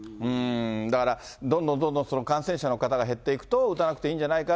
だから、どんどんどんどん感染者の方が減っていくと、打たなくていいんじゃないか。